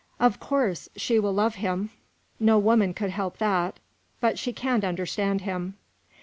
"Of course, she will love him no woman could help that but she can't understand him.